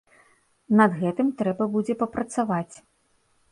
Над гэтым трэба будзе папрацаваць.